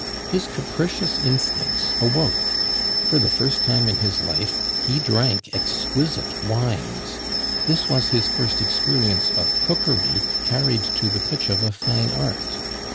His capricious instincts awoke; for the first time in his life he drank exquisite wines, this was his first experience of cookery carried to the pitch of a fine art.